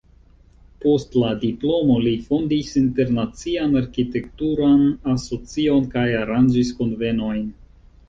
Post la diplomo li fondis internacian arkitekturan asocion kaj aranĝis kunvenojn.